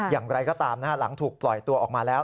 อย่างไรก็ตามหลังถูกปล่อยตัวออกมาแล้ว